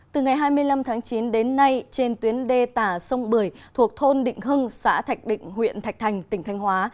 từ ngày hai mươi năm tháng chín đến nay trên tuyến đê tả sông bưởi thuộc thôn định hưng xã thạch định huyện thạch thành tỉnh thanh hóa